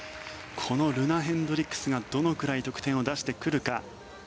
このルナ・ヘンドリックスがどのくらい得点を出してくるか。